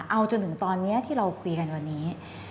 เอาจนถึงตอนนี้ที่เราคุยกันวันนี้